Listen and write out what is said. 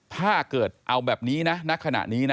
ถ้าเกิดเอาแบบนี้นะณขณะนี้นะ